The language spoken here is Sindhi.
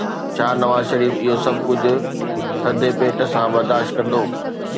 ڇا نواز شريف اهو سڀ ڪجهه ٿڌي پيٽ سان برداشت ڪندو؟